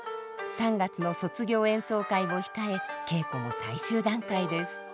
３月の卒業演奏会を控え稽古も最終段階です。